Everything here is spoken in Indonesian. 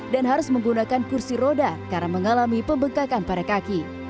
harus menggunakan kursi roda karena mengalami pembengkakan pada kaki